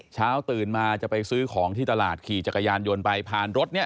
เช้าตื่นมาจะไปซื้อของที่ตลาดขี่จักรยานยนต์ไปผ่านรถเนี่ย